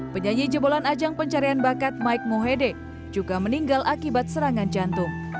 penyanyi jebolan ajang pencarian bakat mike mohede juga meninggal akibat serangan jantung